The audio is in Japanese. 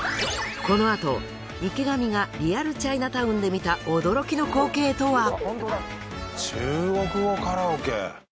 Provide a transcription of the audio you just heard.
このあと池上がリアルチャイナタウンで見た驚きの光景とは。